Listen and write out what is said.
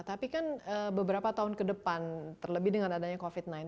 tapi kan beberapa tahun ke depan terlebih dengan adanya covid sembilan belas